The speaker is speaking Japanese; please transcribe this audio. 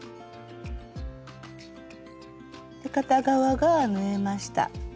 片側が縫えました。